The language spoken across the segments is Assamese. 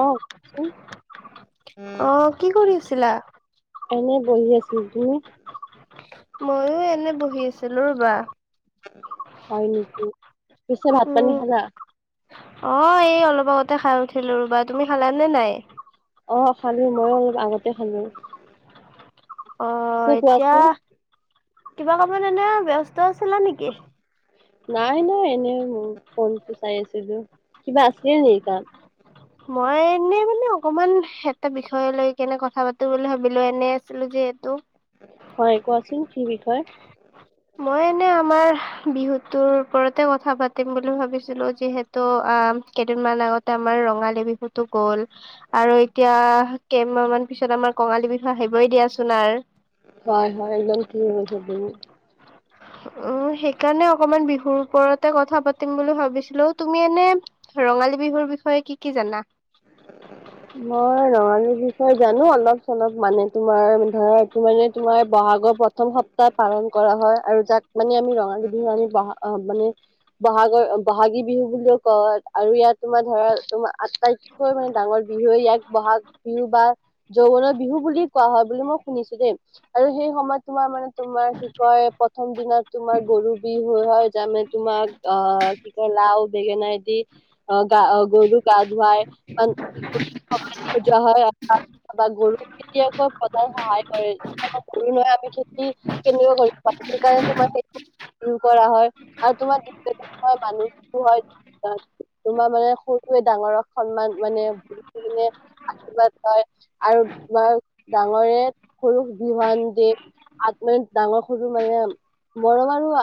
আহঁ উম। অ কি কৰি আছিলা? এনে বহি আছো, তুমি? মইও এনে বহি আছিলো ৰবা। হয় নেকি? পিছে ভাত পানী উম খালা? অ' এই অলপ আগতে খায় উঠিলো ৰ'বা, তুমি খালা নে নাই? অ' খালো মই আগতে খালো। অঁ পিছে এতিয়া কোৱাচোন কিবা কামত এনে ব্যস্ত আছিলা নেকি? নাই নাই এনে মোৰ ফোনটো চাই আছিলো, কিবা আছিলে নেকি তাত? মই এনেই মানে অকমান এটা বিষয় লৈ কেনে কথা পাতো বুলি ভাবিলো, এনে আছিলো যিহেতু। হয় কোৱাচোন কি বিষয়? মই এনেই আমাৰ বিহুটোৰ ওপৰতে কথা পাতিম বুলি ভাবিছিলো, যিহে ত' আ কেইদিনমান আগতে আমাৰ ৰঙালী বিহুতো গ'ল। আৰু এতিয়া কেইমাহ মান পিছত আমাৰ কঙালী বিহু আহিবই দিয়াচোন আৰ। হয় হয় একদম ঠিকে কৈছা তুমি। উম, সেইকাৰণে অকমান বিহুৰ ওপৰতে কথা পাতিম বুলি ভাবিছিলো, তুমি এনে ৰঙালী বিহুৰ বিষয়ে কি কি জানা? মই ৰঙালীৰ বিষয়ে জানো অলপ চলপ মানে তোমাৰ ধৰা এইটো মানে তোমাৰ বহাগৰ প্ৰ প্ৰথম সপ্তাহ পালন কৰা হয়, আৰু যাক মানে আমি ৰঙালী বিহু আমি বহা মানে বহাগৰ বহাগী বিহু বুলিও কয়, আৰু ইয়াত তোমাৰ ধৰা তোমাৰ আটাইতকৈ মানে ডাঙৰ বিহু ইয়াক বহাগ বিহু বা যৌৱনৰ বিহু বুলি কোৱা হয় বুলি মই শুনিছো দেই, আৰু সেই সময়ত তোমাৰ মানে তোমাৰ কি কয় প্ৰথম দিনত তোমাৰ গৰু বিহ [unintelligible] তোমাক অ কি কয় লাও বেঙেনা দি অ গা অ গৰুক গা ধুৱাই [inaudible] সজাই থৈ দিয়া হয় ৰাস্তাত তাপা গৰু [unintelligible] সদায় সহায় কৰে। [unintelligible] [unintelligible] তোমাৰ মানে সৰুৱে ডাঙৰক সন্মান মানে [unintelligible] আশীৰ্বাদ পা‌য় আৰু তোমাৰ ডাঙৰে সৰুক বিহুৱান দিয়ে [unintelligible] ডাঙৰ সৰু মানে মৰম আৰু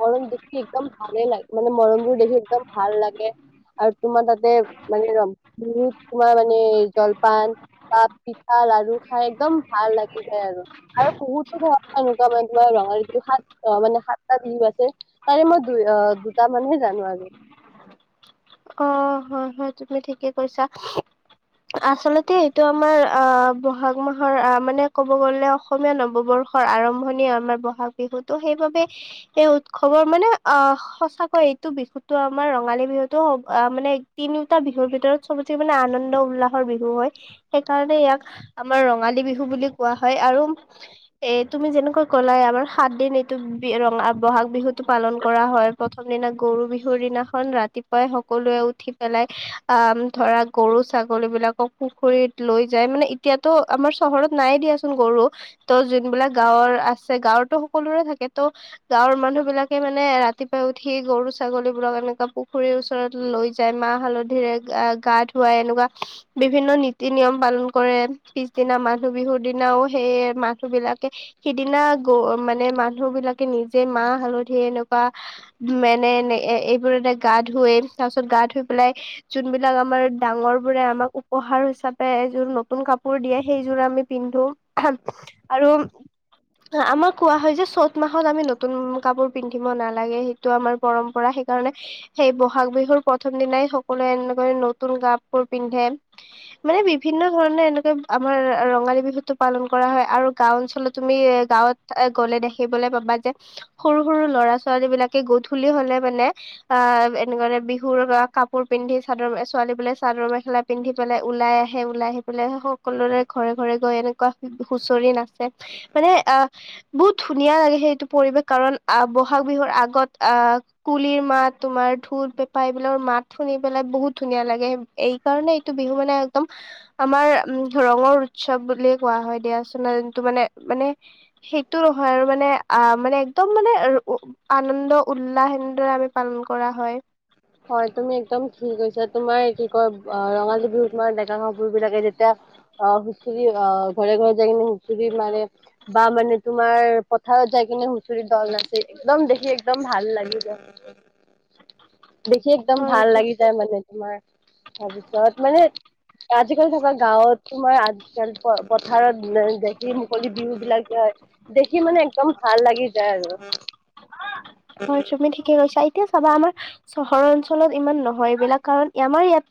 মৰম দেখি একদম ভালেই লাগ মানে মৰমবোৰ দেখি একদম ভাল লাগে আৰু তোমাৰ তাতে মানে [unintelligible] তোমাৰ মানে জলপান, [unintelligible] পিঠা, লাৰু খাই একদম ভাল লাগি যায় আৰু! আৰু বহুতো ধৰা এনেকুৱা মানে তোমাৰ ৰঙালী বিহু সাত অ' মানে সাতটা বিহু আছে, তাৰে মই দুই অ' দুটা মানুহে জানো আৰু! অ' হয়, হয়, তুমি ঠিকে কৈছা। আচলতে এইটো আমাৰ আ ব'হাগ [unintelligible] আহ মানে ক'ব গ'লে অসমীয়া নৱবৰ্ষৰ আৰম্ভণি আমাৰ ব'হাগ বিহুতো। সেইবাবে এই উৎসৱৰ মানে অ' সঁচাকৈ এইটো বিহুতো আমাৰ ৰঙালী বিহু ত' আ মানে তিনিওটা বিহুৰ ভিতৰত চবতচে মানে আনন্দ উল্লাহৰ বিহু হয়। সেইকাৰণে ইয়াক আমাৰ ৰঙালী বিহু বুলি কোৱা হয় আৰু এ তুমি যেনেকৈ ক'লাই আমাৰ সাত দিন এইটো ৰঙা ব'হাগ বিহুতটো পালন কৰা হয়, প্ৰথম দিনা, গৰু বিহুৰ দিনাখন ৰাতি [unintelligible] সকলোৱে উঠি পেলাই আ, ধৰা গৰু-ছাগলী বিলাকক পুখুৰীত লৈ যায়। মানে এতিয়াতো আমাৰ চহৰত নাই দিয়াচোন গৰু। ত' যোনবিলাক গাঁৱৰ আছে গাৱঁততো সকলোৰে থাকে ত' গাঁৱৰ মানুহ বিলাকে মানে ৰাতিপুৱাই উঠি গৰু ছাগলীবোৰাক এনেকা [unintelligible] [unintelligible] ওচৰত লৈ যায় মাহ হালধিৰে গা গা-ধুৱাই, এনেকুৱা বিভিন্ন নীতি-নিয়ম পালন কৰে। পিছদিনা মানুহ বিহুৰ দিনাও সেইয়ে মানুহ বিলাকে, সিদিনা গ মানে মানুহ বিলাকে নিজে মাহ হালধিৰে এনেকোৱা, [unintelligible] গা-ধুৱে তাৰ পিছত গা ধুই পেলাই, যোনবিলাক আমাৰ ডাঙৰ বোৰে আমাক উপহাৰ হিচাপে এযোৰ নতুন কাপোৰ দিয়ে, সেইযোৰ আমি পিন্ধো আৰু, আমাৰ কোৱা হয় যে চ'ত মাহত আমি নতুন কাপোৰ পিন্ধিব নালাগে। সেইটো আমাৰ, পৰম্পৰা সেইকাৰণে, সেই ব'হাগ বিহুৰ প্ৰথম দিনাই সকলোৱে এনেকৈ নতুন কাপোৰ পিন্ধে। মানে বিভিন্ন ধৰণে এনেকে আমাৰ ৰঙালী বিহুতটো পালন কৰা হয়, আৰু গাওঁ অঞ্চলত তুমি এ গাঁৱত, [unintelligible] গ'লে দেখিবলৈ পাবা যে সৰু-সৰু ল'ৰা ছোৱালী বিলাকে গধূলি হলে মানে, আহ [unintelligible] বিহুৰ কাপোৰ পিন্ধি, চাদৰ ছোৱালী বোৰে চাদৰ মেখেলা, পিন্ধি পেলাই ওলাই আহে, ওলাই আহি পেলাই সকলোৰে ঘৰে ঘৰে গৈ এনেকুৱা হুঁচৰি নাচে। মানে আ, বহুত ধুনীয়া লাগে সেই এইটো পৰিৱেশ কাৰণ, আহ ব'হাগ বিহুৰ আগত, আহ কুলিৰ মাত, তোমাৰ ঢোল-পেঁপা এইবিলাকৰ মাত শুনি পেলাই বহুত ধুনীয়া লাগে। এই কাৰণে এইটো বিহু মানে একদম, আমাৰ উম ৰঙৰ উৎসৱ বুলিয়েই কোৱা হয় দিয়াছোন [unintelligible] মানে, মানে সেইটো হয় আৰু মানে আ মানে একদম মানে, আনন্দ উল্লাহ এনেদৰে আমি, পালন কৰা হয়। হয় তুমি একদম ঠিকে কৈছা তোমাৰ কি কয় অ' ৰঙালী বিহুত মানে ডেকা-গাভৰু বিলাকে যেতিয়া অ' হুচুৰি অ' ঘৰে, ঘৰে যাইকিনে হুচুৰি মাৰে বা মানে তোমাৰ পথাৰত যাই কিনে হুঁচৰি দল নাচে একদম দেখি একদম ভাল লাগি যায়। [inaudible] দেখি একদম হয় ভাল এইটো লাগি যায় মানে তোমাৰ তাৰপিছত মানে আজিকালি থকা গাঁৱত তোমাৰ আজ যেন প-পথাৰত [unintelligible] যি মুকলি বিহু বিলাক দিয়া হয় দেখি মানে একদম ভাল লাগি যায় আৰু। হয়, তুমি ঠিকে কৈছা এতিয়া চাবা আমাৰ চহৰ অঞ্চলত ইমান নহয় এইবিলাক কাৰণ আমাৰ ইয়াত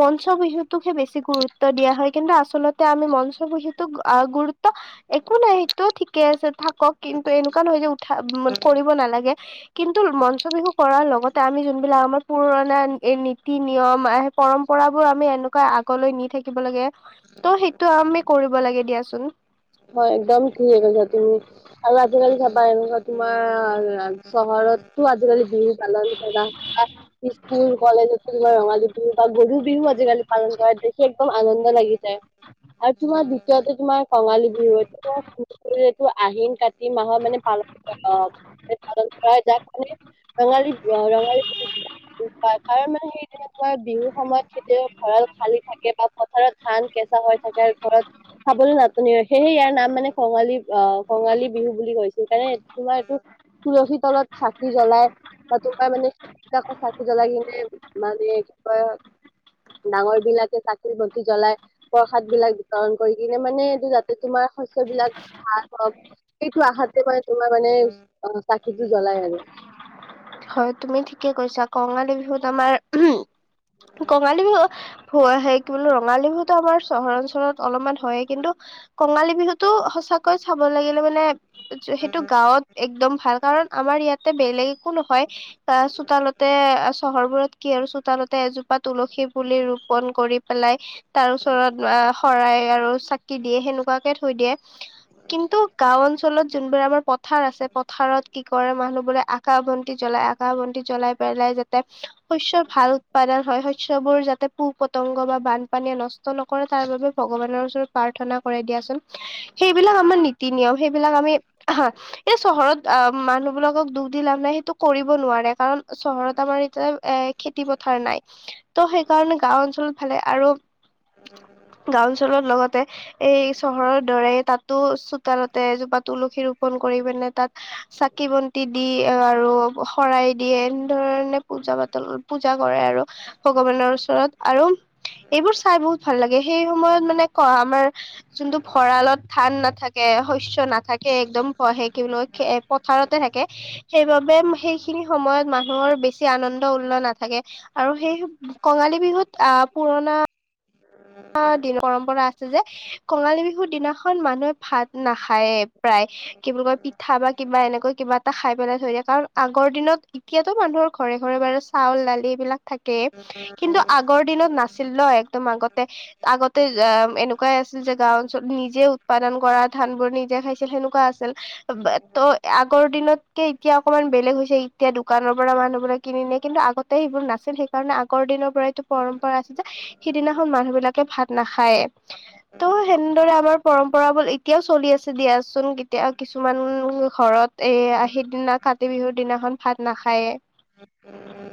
মঞ্চ বিহুটোকহে বেছি গুৰুত্ব দিয়া হয় কিন্তু আচলতে আমি মঞ্চ বিহুটোক আহ, গুৰুত ত্ব একো নাই সেইটো ঠিকে আছে থাকক কিন্তু এনেকুৱা নহয় যে উঠা উম, কৰিব নালাগে কিন্তু মঞ্চ বিহু কৰাৰ লগতে আমি যোনবিলাক আমাৰ পুৰণা নীতি-নিয়ম আহ, পৰম্পৰাবোৰ আমি এনেকুৱা আগলৈ নি থাকিব লাগে ত' সেইটো আমি কৰিব লাগে দিয়াচোন। হয়, একদম ঠিকেই কৈছা তুমি। আৰু আজিকালি চাবা এনেকুৱা তোমাৰ চহৰততো আজিকালি বিহু পালন কৰা [unintelligible] স্কুল, কলেজটো [unintelligible] ৰঙালী বিহু বা গৰু বিহু আজিকালি পালন কৰে দেখি একদম আনন্দ লাগি যায়। আৰু তোমাৰ দ্বিতীয়তে তোমাৰ কঙালী বি [unintelligible] আহিন, কাতি মাহৰ মানে পালন [unintelligible] অ। [unintelligible] দুখ পাই কাৰন মানে সেইদিনা তোমাৰ বিহুৰ সময়ত খেতিৰ ভঁৰাল খালি থাকে বা পথাৰত ধান কেঁচা হৈ থাকে আৰু ঘৰত খাবলৈ নাটনি হয়। এ ইয়াৰ নাম মানে কঙালী অ' কঙালী বিহু বুলি কৈছোঁ কাৰণে তোমাৰটো তুলসী তলত চাকি জ্বলাই বা তোমাৰ মানে তাকো চাকি জ্বলাই কিনে মানে কি কয় ডাঙৰ বিলাকে চাকি-বন্তি জ্বলাই প্ৰসাদ বিলাক বিতৰণ কৰি কিনে মানে এইটো জা তে তোমাৰ শস্যবিলাক ভাল হওক সেইটো আহাতে মানে তোমাৰ মানে অ' চাকিটো জ্বলাই আৰু। হয়, তুমি ঠিকে কৈছা কঙালী বিহুত আমাৰ [unintelligible] কঙালী বিহু হোৱা আহে কি বোলো ৰঙালী বিহুতো আমাৰ চহৰ অঞ্চলত অলপমান হয়েই কিন্তু কঙালী বিহুটো সঁচাকৈ চাব লাগিলে মানে সেইটো গাঁৱত একদম ভাল কাৰণ আমাৰ ইয়াতে বেলেগ একো নহয়। তাৰ চোতালতে অ' চহৰবোৰত কি আৰু চোতালতে এজোপা তুলসী পুলি ৰোপন কৰি পেলাই তাৰ ওচৰত আহ, শৰাই আৰু চাকি দিয়ে সেনেকুৱাকে থৈ দিয়ে কিন্তু গাঁও অঞ্চলত যোনবোৰ আমাৰ পত পথাৰ আছে পথাৰত কি কৰে মানুহ বোৰে আকাশ বন্তি জ্বলাই আকাশ বন্তি জ্বলাই পেলাই যাত তে শস্য ভাল উৎপাদন হয় শস্য বোৰ যাতে পু পতংগ বা বানপানীয়ে নচ ট নকৰে তাৰ বাবে ভগৱানৰ ওচৰত প্ৰাৰ্থনা কৰে দিয়াচোন সেইবিলাক আমাৰ নীতি-নিয়ম সেইবিলাক আমি হা এই চহৰত আহ, মানুহবিলাকক দুখ দি লাভ নাই সেইটোক কৰিব নোৱাৰে কাৰণ চহৰত আমাৰ এতিয়া এ, খেতি পথাৰ নাই ত' সেইকাৰণে গাওঁ অঞ্চলত ভালে আৰু গাওঁ অঞ্চলৰ লগতে এই চহৰৰ দৰে তাতো [unintelligible] এজোপা তুলসী ৰোপন কৰি পিনে তাত চাকি বন্তি দি এ, আৰু শৰাই দিয়ে এনেধৰণে পূজা পাতল পূজা কৰে আৰু। ভগৱানৰ ওচৰত আৰু এইবোৰ চাই বহুত ভাল লাগে সেই সময়ত মানে ক আমাৰ যোনটো ভৰালত ঠান নাথাক। কে শস্য নাথাকে একদম সে কি বুলি কয় পথাৰতে থাকে সেইবাবে সেইখিনি সময়ত মানুহৰ বেছি আনন্দ উল্ল নাথাকে। আৰু সেই কঙালী বিহুত আহ পুৰণা দি পৰম্পৰা আছে যে কঙালী বিহুৰ দিনাখন মানুহে ভাত নাখায়ে প্ৰায়। কি বুলি কয় পিঠা বা কিবা এনেকৈ কিবা এটা খাই পেলাই থৈ কাৰণ আগৰ দিনত এতিয়াতো মানুহৰ ঘৰে ঘৰে বাৰু চাউল দালি এইবিলাক থাকেই কিন্তু আগৰ দিনত নাছিল ন একদম আগত আগতে এনেকুৱাই আছিল যে গাওঁ অঞ্চলত নিজে উৎপাদন কৰা ধান বোৰ নিজে খাই। সেনেকুৱা আছিল ত' আগৰ দিনত এতিয়া অকণমান বেলেগ হৈছে এতিয়া দোকানৰ পৰা মানুহ বোৰে কিনি ন নিয়ে কিন্তু আগতে সেইবোৰ নাছিল সেইকাৰণে আগৰ দিনৰ পৰাই পৰম্পৰা আছে যে সিদিনাখন মানুহ বিলাকে ভাত নাখায় ত' সেনেদৰে আমাৰ পৰম্পৰাবল এতিয়াও চলি আছে দিয়াচোন কেতিয়া কিছুমান ঘৰত এ সিদিনা কাতি বিহুৰ দিনাখন ভাত নাখায়ে।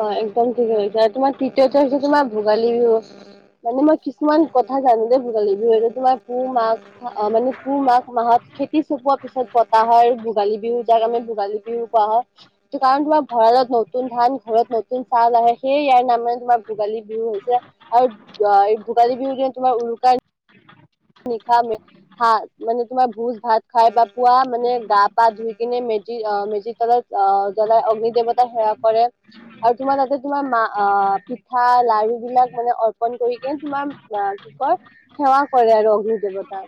হয় একদম ঠিকে হৈছে আৰু তোমাৰ তৃতীয়তে হৈছে তোমাৰ ভোগালী বিহু। মানে মই কিছুমান কথা জানো যে ভোগালী বিহু এইতো তোমাৰ পুহ মাহ অ মানে পুহ মাঘ মাহত খেতি চপোৱা পিছত পতাহাৰ ভোগালী বিহু যাক আমি ভোগালী বিহু কোৱা হয় কাৰণ তোমাৰ ভৰালত নহ নতুন ধান ঘৰত নতুন চাউল আহে সেইয়া ইয়াৰ নামানে তোমাৰ ভোগালী বিহু হৈছে। আৰু ভোগালী বিহু যে তোমাৰ উৰুকাৰ নিখা মে হা মানে তোমাৰ ভোজ ভাত খাই বা পোৱা মানে গা পা ধুই কিনে মেজি অ মেজিৰ তলত অ', জ্বলাই অগ্নি দেৱতাই সেৱা কৰে। আৰু তোমাৰ তাতে তোমাৰ মা অ পিঠা লাৰু বিলাক মানে অ'। ন কৰিকে তোমাৰ অ কি কয় সেৱা কৰে আৰু। কি দেৱতা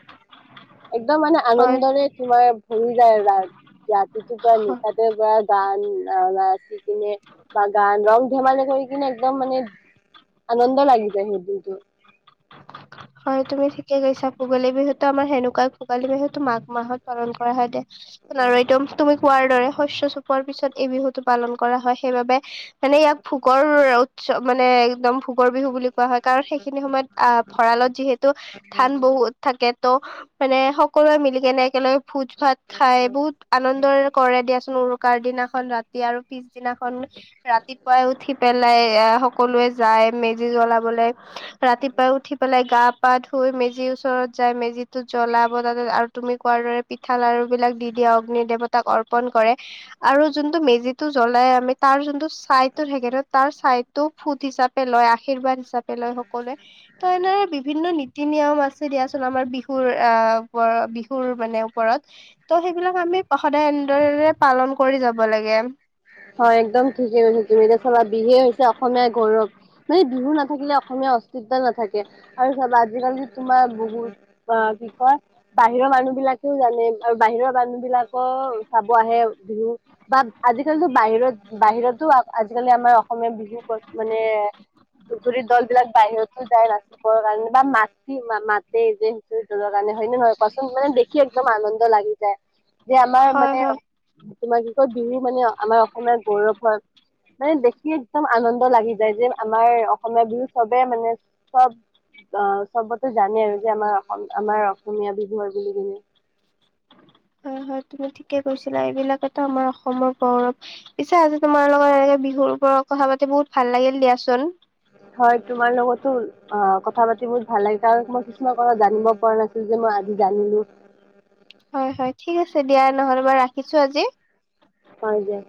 একদম হয় আনন্দৰে তোমাৰ ভৰি যায় ৰাত সিটোৰ পৰা নিশাতে পৰা গান না। কিনে বা গান ৰং ধেমালি কৰি কিনে একদম মানে আনন্দ লাগি যায় সেই দিনটো হয় তুমি ঠিকেই কৈছা ভোগালী বিহুতো আমাৰ সেনেকুৱা ভোগালী বিহুতটো মাঘ মাহত পালন কৰা হয় দে আৰু একদম তুমি কোৱাৰ দৰে শস্য চপোৱাৰ পিছত এই বিহুটো পালন কৰা হয় সেইবাবে মানে ইয়াক ভোগৰ উৎসৱ মানে একদম ভোগৰ বিহু বুলি কোৱা হয় কাৰণ সেইখিনি সময়ত আহ ভৰালত যিহেতু ধান বহুত থাকে ত' মানে সকলোৱে মিলি কেনে একেলগ ভোজ ভাত খাই বহুত আনন্দৰ কৰে দিয়াচোন উৰুকাৰ দিনাখন ৰাতি আৰু পিছ পিছদিনাখন ৰাতিপুৱাই উঠি পেলাই আহ সকলোৱে যায় মেজি জ্বলাবলে ৰাতিপুৱাই উঠি পেলাই গা পা ধুই মেজিৰ ওচৰত যাই মেজিতো জ্বলাব তাতে তুমি কোৱাৰ দৰে পিঠা লাড়ু বিলাক দি দিয়া অগ্নি দেৱতাক অৰ্পন কৰে আৰু যোনটো মেজিটো জ্বলাই আমি তাৰ যোনটো ছাই টো থাকে তাৰ ছাইটো ফুট হিচাপে লয় আশীৰ্বাদ হিচাপে লয় সকলোৱে ত এনে বিভিন্ন নীতি নিয়ম আছে দিয়াচোন আমাৰ বিহুৰ আহ বিহুৰ মানে ওপৰত ত' সেইবিলাক আমি সদায় এনেদৰেৰে পালন কৰি যাব লাগে হয় একদম ঠিকে কৈছা তুমি এতিয়া চাবা বিহুয়ে হৈছে অসমীয়াৰ গৌৰৱ মানে বিহু নাথাকিলে অসমীয়া অস্তিত্ব নাথাকে, আৰু চাবা, আজিকালি তোমাৰ বহুত অ, কি কয়? বাহিৰৰ মানুহ বিলাকেও জানে, আৰু মানুহ বিলাকৰ চাব আহে বিহু। বা আজিকালিতো বাহিৰত, বাহিৰতো আজিকালি আমাৰ অসমীয়া বিহুক মানে ধুবুৰীৰ দল বিলাক বাহিৰতো যায়, নাছিবৰ কাৰণে বা মা মা-মাতে যে কাৰণে হয় নহয় কচোন, মানে দেখি একদম আনন্দ লাগি যায়। যে আমাৰ হয় মানে, হয় তোমাৰ কি কয়, বিহু মানে আমাৰ অসমীয়াৰ গৌৰৱ হয়। মানে দেখি একদম আনন্দ লাগি যায় যে, আমাৰ অসমীয়া বিহু চবে মানে চব অ, চবতে জানে আৰু যে, আমাৰ অসম, আমাৰ অসমীয়া বিহুৱা হয় বুলি কিনে। হয়, হয়, তুমি ঠিকে কৈছিলা। এইবিলাকেতো আমাৰ অসমৰ গৌৰৱ। পিছে আজি তোমাৰ লগত এনেকে বিহুৰ ওপৰত কথা পাতি বহুত ভাল লাগিল দিয়াচোন। হয়, তোমাৰ লগটো। অ, কথা পাতি বহুত ভাল লাগিছে। আৰু মই কিছুমান কথা জানিব পৰা নাছিলোঁ যে মই আজি জানিলোঁ। হয়, হয়, ঠিক আছে দিয়া, নহ'লে মই ৰাখিছোঁ আজি। হয় দিয়া।